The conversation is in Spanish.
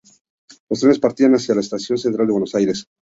Los trenes partían hacia la estación Central de Buenos Aires.